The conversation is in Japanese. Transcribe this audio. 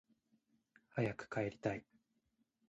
早く帰りたい